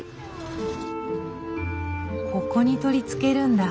ここに取り付けるんだ。